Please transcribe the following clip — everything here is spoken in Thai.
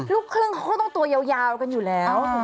ลูกครึ่งเขาก็ต้องตัวยาวกันอยู่แล้ว